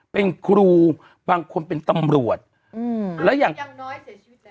เป็นครูบางคนเป็นตำรวจอืมแล้วอย่างน้อยเสียชีวิตแล้ว